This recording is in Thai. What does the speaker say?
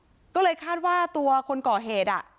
ไปโบกรถจักรยานยนต์ของชาวอายุขวบกว่าเองนะคะ